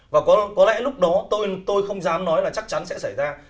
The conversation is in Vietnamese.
và có lẽ lúc đó tôi không dám nói là chắc chắn sẽ xảy ra